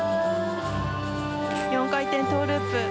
４回転トウループ。